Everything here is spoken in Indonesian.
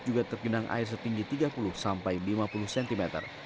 juga tergenang air setinggi tiga puluh sampai lima puluh cm